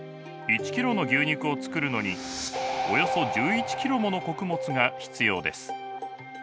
１ｋｇの牛肉を作るのにおよそ１１ｋｇもの穀物が必要です。